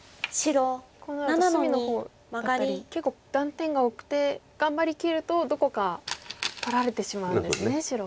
こうなると隅の方だったり結構断点が多くて頑張りきるとどこか取られてしまうんですね白は。